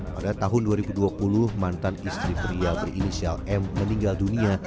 pada tahun dua ribu dua puluh mantan istri pria berinisial m meninggal dunia